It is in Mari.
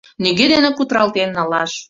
Нигӧ дене кутыралтен налаш.